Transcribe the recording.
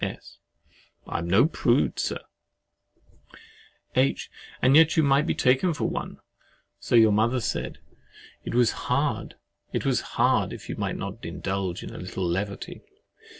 S. I am no prude, Sir. H. Yet you might be taken for one. So your mother said, "It was hard if you might not indulge in a little levity."